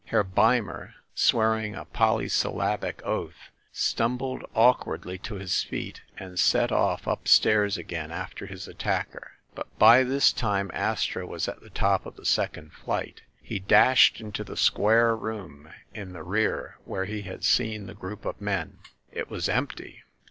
Herr Beimer, swearing a polysyllabic oath, stumbled awkwardly to his feet and set off up stairs again after his attacker. But by this time Astro was at the top of the second flight. He dashed into the square room in the rear where he had seen the group of men. It was empty